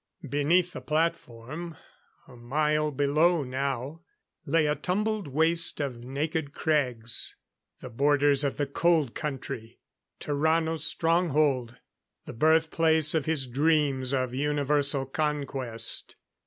Beneath the platform a mile below now lay a tumbled waste of naked crags. The borders of the Cold Country! Tarrano's stronghold! The birthplace of his dreams of universal conquest.